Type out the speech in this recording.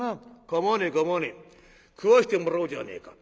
「構わねえ構わねえ。食わしてもらおうじゃねえか」。